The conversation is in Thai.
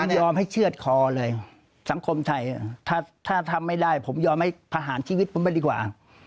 ยอมให้เชื่อดคอเลยสังคมไทยถ้าทำไม่ได้ผมยอมให้ประหารชีวิตผมไปดีกว่า